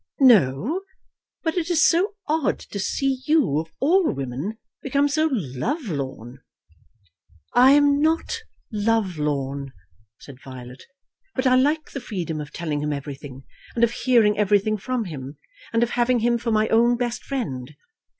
"No; but it is so odd to see you, of all women, become so love lorn," "I am not love lorn," said Violet, "but I like the freedom of telling him everything and of hearing everything from him, and of having him for my own best friend.